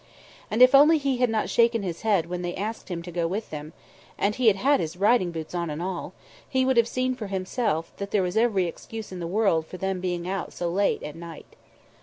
And if only He had not shaken his head when they asked him to go with them and He had had his riding boots on and all He would have seen for Himself that there was every excuse in the world for them being out so late at night.